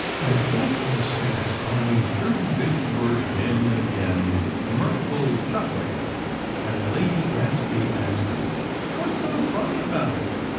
As Gadsby sat, going through this good word again and again, a mirthful chuckling had Lady Gadsby asking: "What's so funny about it?"